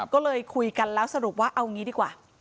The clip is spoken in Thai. ก็เลยคุยกันแล้วสรุปว่าเอางี้ดีกว่า